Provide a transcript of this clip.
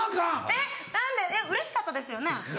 えっうれしかったですよね？